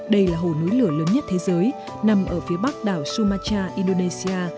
đây là hồ núi lửa lớn nhất thế giới nằm ở phía bắc đảo sumatra indonesia